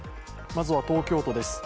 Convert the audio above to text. まずは東京都です